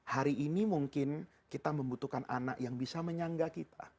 hari ini mungkin kita membutuhkan anak yang bisa menyangga kita